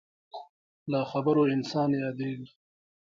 له خبرو انسان یادېږي.